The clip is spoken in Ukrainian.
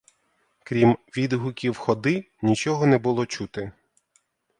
Крім відгуків ходи нічого не було чути.